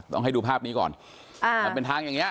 ต้องให้ดูภาพนี้ก่อนอ่ามันเป็นทางอย่างเงี้